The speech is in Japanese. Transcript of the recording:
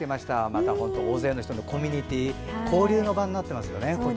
また大勢の人のコミュニティー交流の場になってますよね。